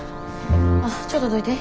あっちょっとどいて。